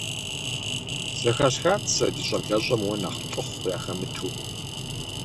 Зыхэсхат сэ ди щӀэблэщӀэм уэ нэхъ лӀыхъу яхэмыту.